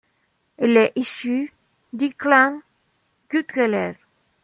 Elle est issue du clan Gutkeled.